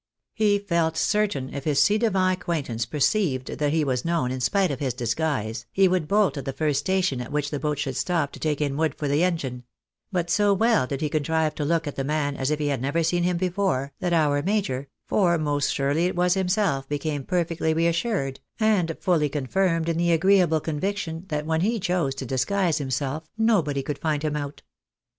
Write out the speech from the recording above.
He felt certain if his ci devant acquaint ance perceived that he was known, in spite of his disguise, he would bolt at the first station at which the boat should stop to take in wood for the engine ; but so well did he contrive to look at the man, as if he had never seen him before, that our major (for most surely it was himself) became perfectly reassured, and fully coil firmed in the agreeable conviction that when he chose to disgiiise himself, nobody could find him out.